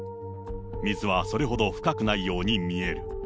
水はそれほど深くないように見える。